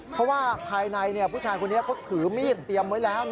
เพราะว่าภายในผู้ชายคนนี้เขาถือมีดเตรียมไว้แล้ว